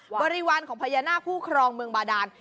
บริวารของพญานาคผู้ครองเมืองบาดาน